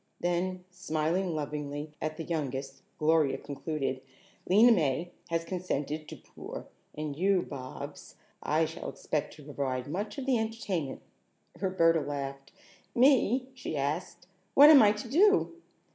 Then, smiling lovingly at the youngest, Gloria concluded: "Lena May has consented to pour, and you, Bobs, I shall expect to provide much of the entertainment." Roberta laughed. "Me?" she asked. "What am I to do?"